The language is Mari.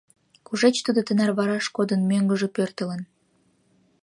Кушеч тудо тынар вараш кодын мӧҥгыжӧ пӧртылын?